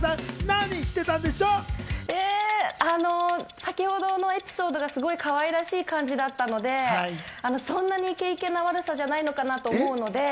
先程のエピソードがすごいかわいらしい感じだったので、そんなイケイケな悪さではないのかなと思うので。